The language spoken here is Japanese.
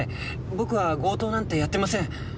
僕は強盗なんてやってません。